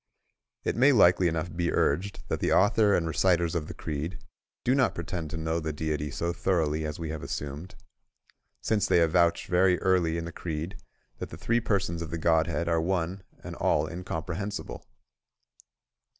It may likely enough be urged that the author and reciters cf the creed do not pretend to know the Deity so thoroughly as we have assumed, since they avouch very early in the creed that the three persons of the Godhead are one and all incomprehensible.